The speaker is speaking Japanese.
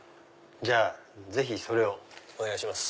じゃあぜひそれをお願いします。